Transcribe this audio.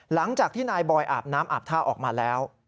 หลังจากที่นายบอยอาบน้ำอาบท่าออกมาแล้ว